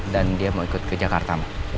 dan dia mau ikut ke jakarta ma